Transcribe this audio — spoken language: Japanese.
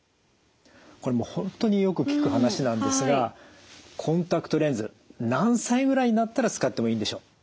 これもう本当によく聞く話なんですがコンタクトレンズ何歳ぐらいになったら使ってもいいんでしょう？